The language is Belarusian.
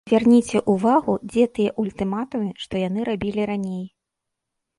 Звярніце ўвагу, дзе тыя ультыматумы, што яны рабілі раней.